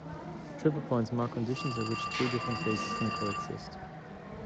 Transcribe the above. Triple points mark conditions at which three different phases can coexist.